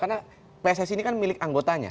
karena pssi ini kan milik anggotanya